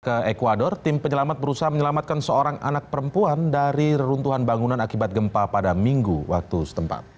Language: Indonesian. ke ecuador tim penyelamat berusaha menyelamatkan seorang anak perempuan dari reruntuhan bangunan akibat gempa pada minggu waktu setempat